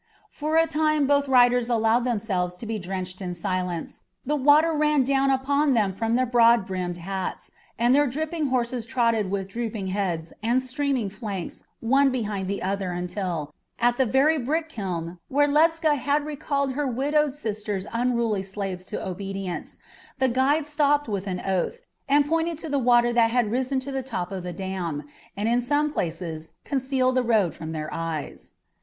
For a time both riders allowed themselves to be drenched in silence. The water ran down upon them from their broad brimmed hats, and their dripping horses trotted with drooping heads and steaming flanks one behind the other until, at the very brick kiln where Ledscha had recalled her widowed sister's unruly slaves to obedience, the guide stopped with an oath, and pointed to the water which had risen to the top of the dam, and in some places concealed the road from their eyes.